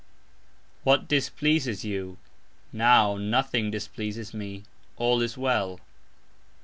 "What" displeases you? Now "nothing" displeases me, "all" is well.